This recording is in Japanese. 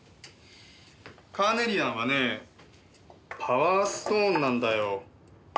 カーネリアンはねパワーストーンなんだよ。